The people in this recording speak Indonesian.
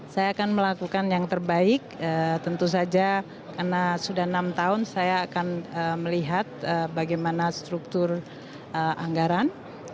saya akan melakukan yang terbaik tentu saja karena sudah enam tahun saya akan melihat bagaimana struktur anggaran